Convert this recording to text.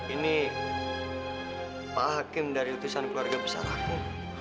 ini hakim dari utusan keluarga besar aku